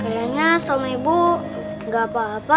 kayaknya sama ibu gak apa apa